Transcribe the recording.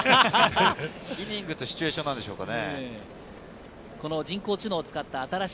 イニングとシチュエーションなんでしょうね。